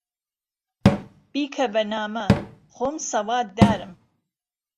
بیکه به نامه، خوهم سهواددارم